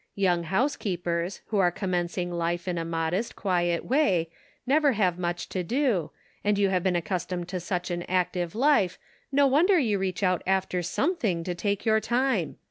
Young housekeepers, who are commencing life in a modest, quiet way, never have much to do, and you have been accustomed to such an active life, no wonder you reach out after something to take your time.